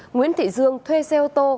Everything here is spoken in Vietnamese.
nguyễn thị dương thuê xe ô tô